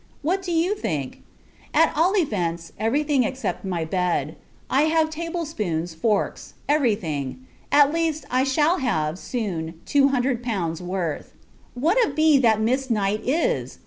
What do you think? At all events, every thing except my bed. I have table spoons, forks, every thing; at least, I shall have, soon, two hundred pounds worth. What a b that Miss Knight is!